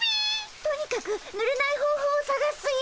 とにかくぬれない方法をさがすよ。